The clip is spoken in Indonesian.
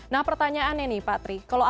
nah pertanyaannya nih pak tri